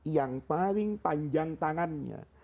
yang paling panjang tangannya